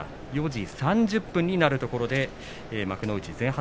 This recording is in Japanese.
４時３０分になるところです。